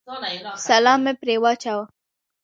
سلام مې پرې واچاوه.